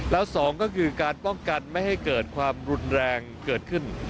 แล้วสองก็คือการป้องกันไม่ให้เกิดความรุนแรงเกิดขึ้น